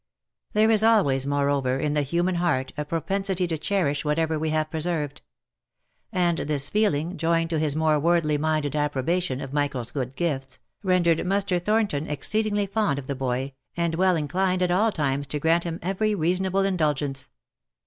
There is always, moreover, in the human heart a propensity to cherish whatever we have preserved ; and this feeling, joined to his more worldly minded approbation of Michael's good gifts, rendered Muster Thornton exceedingly fond of the boy, and well in clined at all times to grant him every reasonable indulgence.